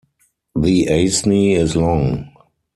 The Aisne is long.